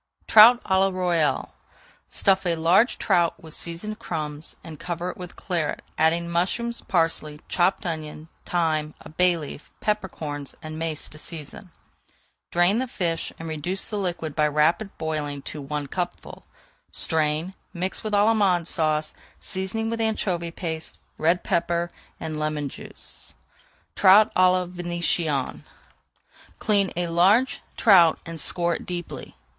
TROUT À LA ROYALE Stuff a large trout with seasoned crumbs, and cover it with Claret, adding mushrooms, parsley, chopped onion, thyme, a bay leaf, pepper corns, and mace to season. Drain the fish and reduce the liquid by rapid boiling to one cupful. Strain, mix with Allemande Sauce, seasoning with anchovy paste, red pepper, and lemon juice. TROUT À LA VÉNITIENNE Clean a large trout and score it deeply.